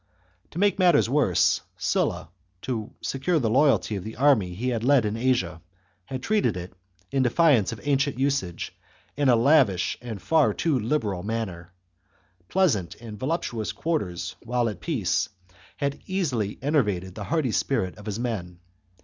To make matters worse, Sulla, to secure the loyalty of the army he had led in Asia, had treated it, in defiance of ancient usage, in a lavish and far too liberal manner. Pleasant and voluptuous quarters while at peace, had easily enervated the hardy spirit of his men.